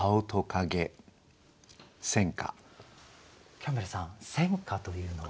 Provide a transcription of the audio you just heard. キャンベルさん仙歌というのは。